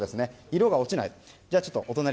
色が落ちない。